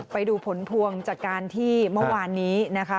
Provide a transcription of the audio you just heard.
ไปดูผลพวงจากการที่เมื่อวานนี้นะคะ